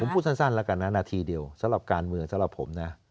พูดสั้นแล้วกันนะนาทีเดียวสำหรับการเมืองสำหรับผมนะ